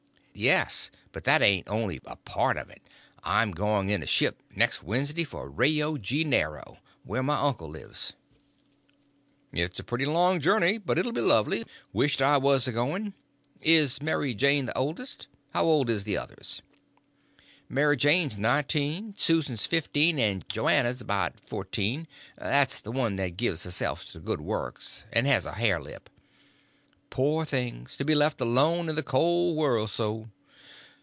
"Yes, but that ain't only a part of it. I'm going in a ship, next Wednesday, for Ryo Janeero, where my uncle lives." "It's a pretty long journey. But it'll be lovely; wisht I was a going. Is Mary Jane the oldest? How old is the others?" "Mary Jane's nineteen, Susan's fifteen, and Joanna's about fourteen—that's the one that gives herself to good works and has a hare lip." "Poor things! to be left alone in the cold world so."